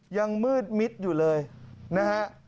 ยังมืดมิดอยู่เลยนะฮะ